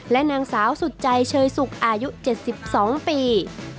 และนางสาวสุดใจเชยสุกอายุ๗๒ปี